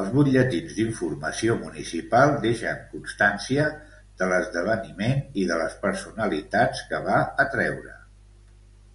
Els butlletins d'informació municipal deixen constància de l'esdeveniment i de les personalitats que va atreure.